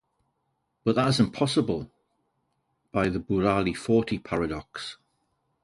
But that is impossible, by the Burali-Forti paradox.